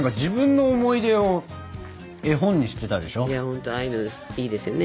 ほんとああいうのいいですよね。